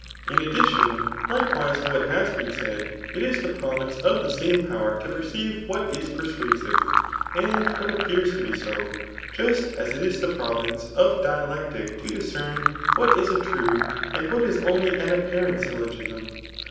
In additioa likewise to what has been said, it is ihn pro?]|ioe of tlie same power to perceive what b pe^ suBsive^ and what zpptan to b^ so, just as it n the pm^ jsince of dialectic to discern what is a [Aiif J and what b only an apparent syllogism.